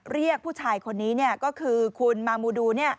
เรียกผู้ชายคนนี้ก็คือคุณมามูดู